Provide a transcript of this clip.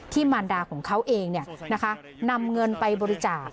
มารดาของเขาเองนำเงินไปบริจาค